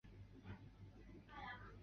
拉氏清溪蟹为溪蟹科清溪蟹属的动物。